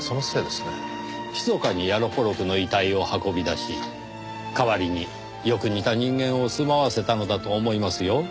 ひそかにヤロポロクの遺体を運び出し代わりによく似た人間を住まわせたのだと思いますよ。